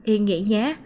yên nghĩ nhé